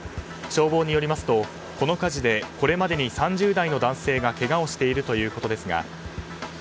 消防によりますと、この火事でこれまでに３０代の男性がけがをしているということです。